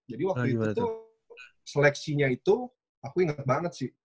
jadi waktu itu seleksinya itu aku ingat banget sih